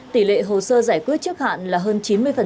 tỷ lệ hồ sơ giải quyết trước hạn là hơn chín mươi